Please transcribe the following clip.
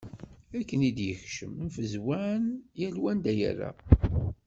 Akken i d-yekcem, mfezwan. Yal wa anda yerra.